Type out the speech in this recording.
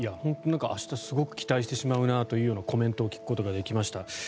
明日すごく期待してしまうなというコメントを聞くことができました。